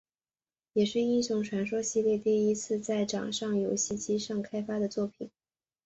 也是英雄传说系列第一次在掌上游戏机上开发的作品。